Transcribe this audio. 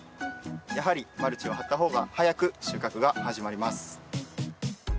やはりマルチを張った方が早く収穫が始まります。